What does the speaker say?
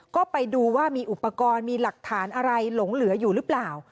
ก็ไปดูว่ามีอุปกรณ์มีหลักฐานอะไรหลงเหลืออยู่หรือเปล่า